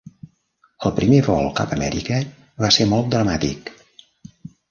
El primer vol cap a Amèrica va ser molt dramàtic.